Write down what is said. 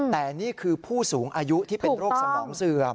แต่นี่คือผู้สูงอายุที่เป็นโรคสมองเสื่อม